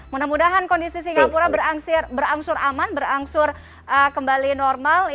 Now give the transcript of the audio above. mudah mudahan kondisi singapura berangsur aman berangsur kembali normal